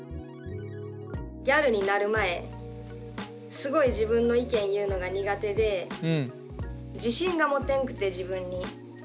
ギャルになる前すごい自分の意見言うのが苦手で自信が持てんくて自分に。